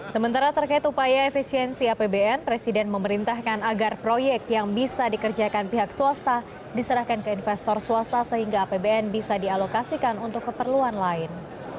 sementara terkait upaya efisiensi apbn presiden memerintahkan agar proyek yang bisa dikerjakan pihak swasta diserahkan ke investor swasta sehingga apbn bisa dialokasikan untuk keperluan lain